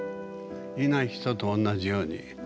いない人と同じように。